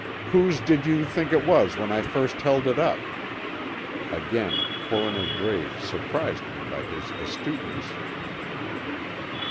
"Whose did you think it was when I first held it up?" Again Coroner Graves surprised me by his astuteness.